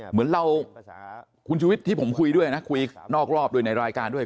เหมือนเราคุณชุวิตที่ผมคุยด้วยนะคุยนอกรอบด้วยในรายการด้วย